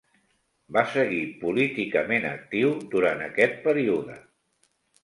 Va seguir políticament actiu durant aquest període.